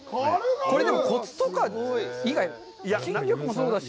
これ、コツとか、筋力もそうだし。